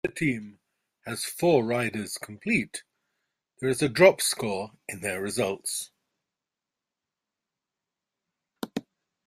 If a team has four riders complete, there is a drop-score in their results.